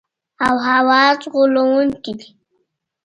او حواس غولونکي دي.